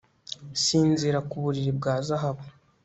Sinzira ku buriri bwa zahabu